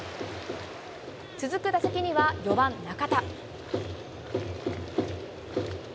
続く打席には４番中田。